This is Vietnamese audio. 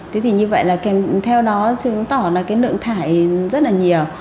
thế thì như vậy là theo đó xứng tỏ là cái lượng thải rất là nhiều